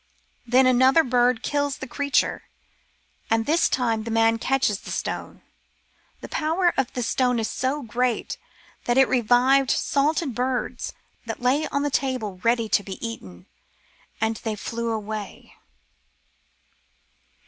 Then another bird kills the creature, and this time the man catches the stone. The power of the stone was so great that it revived salted birds that lay on the table ready to be eaten, and they flew away.